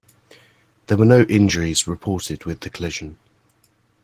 There were no injuries reported with the collision.